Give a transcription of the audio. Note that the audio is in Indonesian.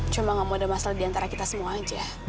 cuma gak mau ada masalah diantara kita semua aja